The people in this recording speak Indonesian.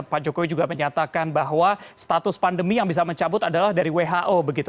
pak jokowi juga menyatakan bahwa status pandemi yang bisa mencabut adalah dari who begitu